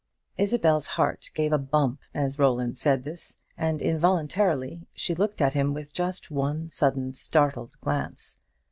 Isabel's heart gave a bump as Roland said this, and involuntarily she looked at him with just one sudden startled glance.